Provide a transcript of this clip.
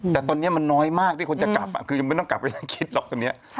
แต่ตอนนี้มันน้อยมากที่คนจะกลับคือยังไม่ต้องกลับไปนั่งคิดหรอกตอนนี้